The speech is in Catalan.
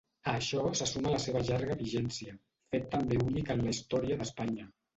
A això se suma la seva llarga vigència, fet també únic en la història d'Espanya.